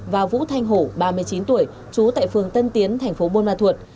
và vũ thanh hổ ba mươi chín tuổi trú tại phường tân tiến thành phố buôn ma thuột